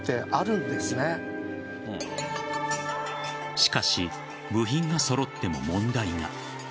しかし、部品が揃っても問題が。